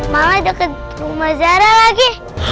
malah deket rumah zara lagi